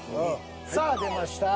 さあ出ました。